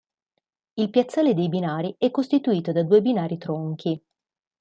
Il piazzale dei binari è costituito da due binari tronchi.